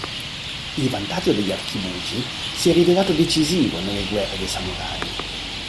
Il vantaggio degli archibugi si è rivelato decisivo nelle guerre dei Samurai.